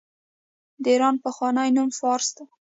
د ایران پخوانی نوم فارس و.